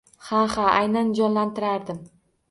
Ha-ha, aynan jonlantirardim